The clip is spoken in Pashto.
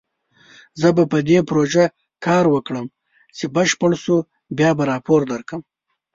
زه به په دې پروژه کار وکړم، چې بشپړ شو بیا به راپور درکړم